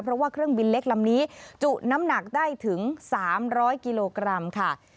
เพราะว่าเครื่องบินเล็กลำนี้จุน้ำหนักได้ถึง๓๐๐กิโลกรัมค่ะ